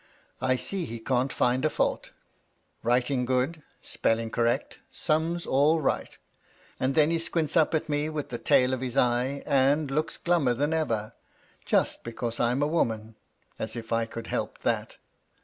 I see he can't find a fiiult — writing good, spelling correct, sums all right And then he squints up at me with the tail of his eye, and looks glummer than ever, just because I'm a woman — as if I could help that.